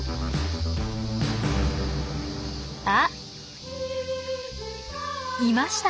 あっいました！